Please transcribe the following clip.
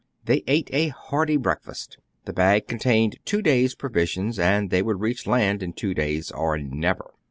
They ate a hearty breakfast. The bag contained two days' provisions, and they would reach land in two days or never.